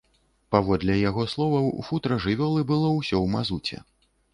Паводле яго словаў, футра жывёлы было ўсё ў мазуце.